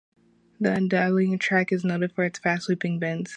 The undulating track is noted for its fast, sweeping bends.